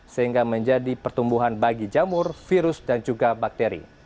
sehingga menjadi pertumbuhan bagi jamur virus dan juga bakteri